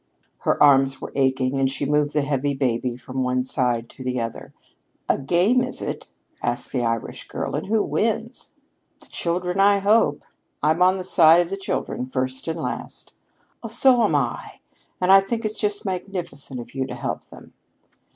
Her arms were aching and she moved the heavy baby from one shoulder to the other. "A game, is it?" asked the Irish girl. "And who wins?" "The children, I hope. I'm on the side of the children first and last." "Oh, so am I. I think it's just magnificent of you to help them."